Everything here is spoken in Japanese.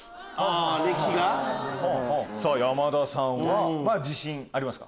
山田さんは自信ありますか？